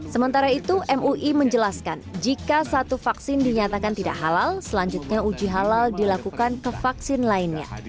sementara itu mui menjelaskan jika satu vaksin dinyatakan tidak halal selanjutnya uji halal dilakukan ke vaksin lainnya